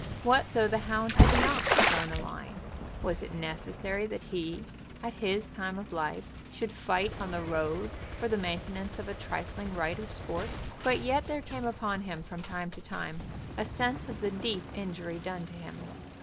What though the hound had not "shown a line?" Was it necessary that he, at his time of life, should fight on the road for the maintenance of a trifling right of sport. But yet there came upon him from time to time a sense of the deep injury done to him.